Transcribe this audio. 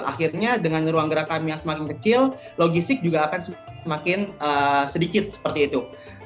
akhirnya dengan ruang gerak kami yang semakin kecil logistik juga akan semakin sedikit seperti itu